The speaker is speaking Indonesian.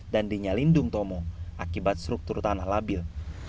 dan di nyalindung tomo akibat struktur tanah labil